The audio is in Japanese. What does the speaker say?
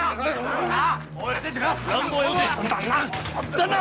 旦那！